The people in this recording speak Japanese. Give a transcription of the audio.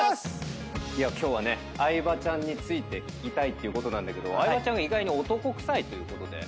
今日は相葉ちゃんについて聞きたいってことなんだけど相葉ちゃんが意外に男くさいということで。